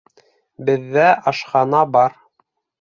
Беҙҙә ашхана бар